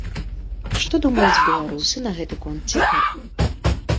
Што думаюць беларусы на гэты конт цяпер?